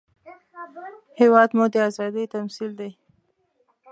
هېواد مو د ازادۍ تمثیل دی